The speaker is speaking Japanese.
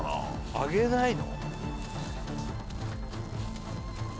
揚げないの？